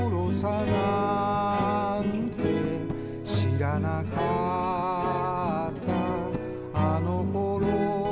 「知らなかったあの頃」